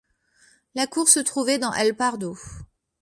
La cour se trouvait dans El Pardo.